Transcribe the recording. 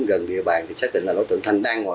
để truy bắt đối tượng